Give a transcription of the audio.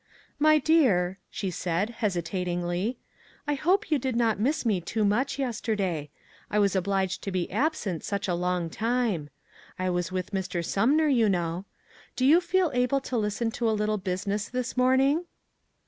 " My dear," she said, hesitatingly, " I hope you did not miss me too much yesterday. I was obliged to be absent such a long time. I was with Mr. Sumner, you know. Do you feel able to listen to a little business this morn ing?"